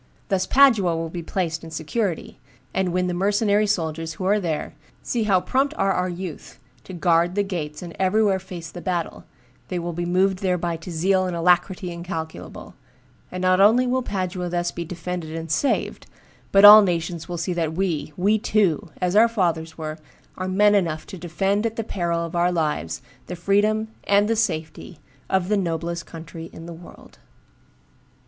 Thus Padua will be placed in security; and when the mercenary soldiers who are there see how prompt are our youth to guard the gates and everywhere face the battle, they will be moved thereby to zeal and alacrity incalculable; and not only will Padua thus be defended and saved, but all nations will see that we, we too, as our fathers were, are men enough to defend at the peril of our lives the freedom and th safety of the noblest country in the world."